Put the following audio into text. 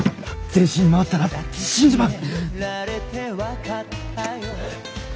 全身に回ったら死んじまう！